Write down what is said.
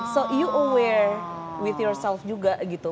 so you aware with yourself juga gitu